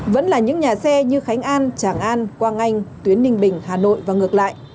vẫn là những nhà xe như khánh an tràng an quang anh tuyến ninh bình hà nội và ngược lại